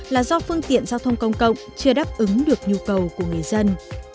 là do phương tiện giao thông công cộng chưa đáp ứng được nhu cầu của người dân